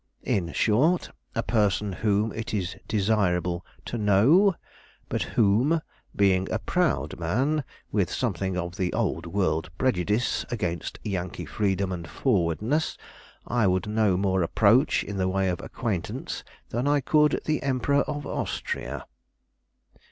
In short, a person whom it is desirable to know; but whom, being a proud man, with something of the old world prejudice against Yankee freedom and forwardness, I could no more approach in the way of acquaintance than I could the Emperor of Austria."